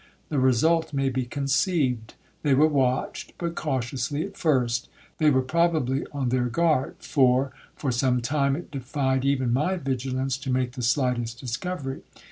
The result may be conceived. They were watched, but cautiously at first. They were probably on their guard; for, for some time it defied even my vigilance to make the slightest discovery.